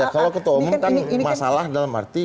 kalau ketua umum kan masalah dalam arti